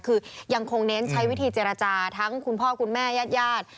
คือยังคงเน้นใช้วิธีเจรจาทั้งคุณพ่อคุณแม่ญาติญาติ